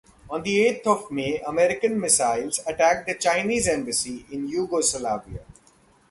On the eighth of May, American missiles attacked the Chinese embassy in Yugoslavia.